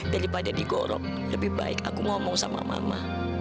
daripada digorok lebih baik aku ngomong sama mama